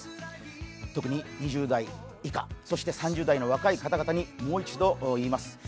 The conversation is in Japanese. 特に、２０代以下そして３０代の若い方々にもう一度言います。